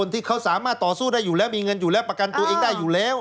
ที่เขาสามารถต่อสู้ได้อยู่แล้วมีเงินอยู่แล้วประกันตัวเองได้อยู่แล้ว